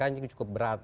ini cukup berat